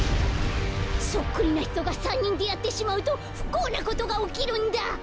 そっくりなひとが３にんであってしまうとふこうなことがおきるんだ。